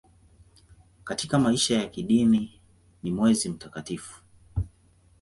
Katika maisha ya kidini ni mwezi mtakatifu.